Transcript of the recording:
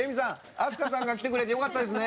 明日香さんが来てくれてよかったですね。